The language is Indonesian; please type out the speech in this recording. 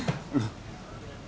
maksudnya tidak ada orang